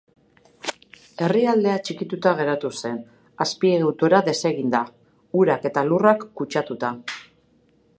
Herrialdea txikituta geratu zen, azpiegitura deseginda, urak eta lurrak kutsatuta.